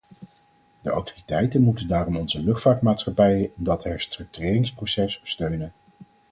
De autoriteiten moeten daarom onze luchtvaartmaatschappijen in dat herstructureringsproces steunen.